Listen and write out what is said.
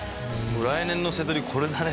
来年のセトリこれだね。